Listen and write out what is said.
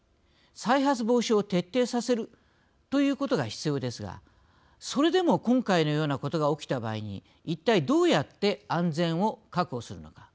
再発防止を徹底させるということが必要ですがそれでも今回のようなことが起きた場合に一体どうやって安全を確保するのか。